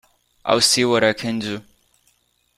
I'll see what I can do.